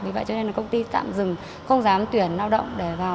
vì vậy cho nên là công ty tạm dừng không dám tuyển lao động